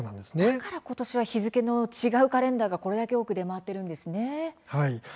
だからことしは日付の違うカレンダーがこれだけ多く出回っているんですね。